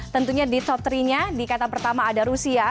tentunya di top tiga nya di kata pertama ada rusia